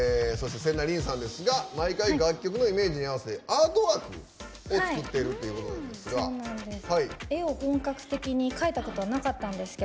ＳｅｎｎａＲｉｎさんですが毎回楽曲のイメージに合わせてアートワークを作っているということなんですが。